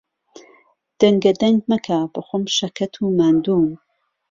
دەنگەدەنگ مەکە، بەخۆم شەکەت و ماندووم.